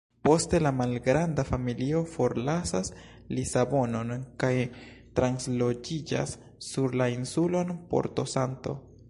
Poste la malgranda familio forlasas Lisabonon kaj transloĝiĝas sur la insulon Porto-Santo.